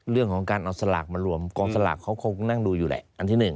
เรื่องของการเอาสลากมารวมกองสลากเขาคงนั่งดูอยู่แหละอันที่๑